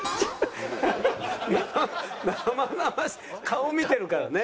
顔見てるからね。